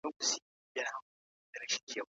ليکوالان به د ټولني غوښتنو سره سم اثار وليکي.